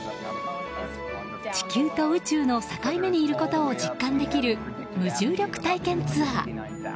地球と宇宙の境目にいることを実感できる無重力体験ツアー。